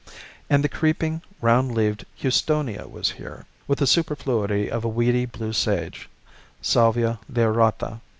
And the creeping, round leaved houstonia was here, with a superfluity of a weedy blue sage (Salvia lyrata).